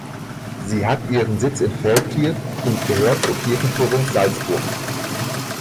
Sie hat ihren Sitz in Feldkirch und gehört zur Kirchenprovinz Salzburg.